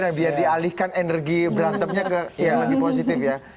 dan biar dialihkan energi berantemnya ke yang lagi positif ya